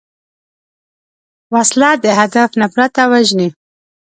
وسله د هدف نه پرته وژني